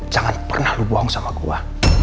jangan pernah lo bohong sama gua